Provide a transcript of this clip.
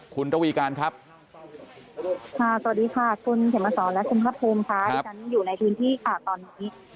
คุณตะวีการครับค่ะสวัสดีค่ะคุณเห็นมาสอนและคุณครับผมค่ะครับ